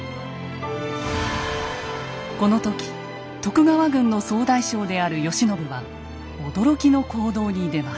この時徳川軍の総大将である慶喜は驚きの行動に出ます。